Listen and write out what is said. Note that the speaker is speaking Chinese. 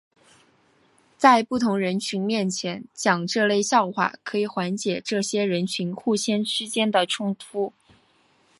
在不同人群面前讲这类笑话可以缓解这些人群互相之间的冲突。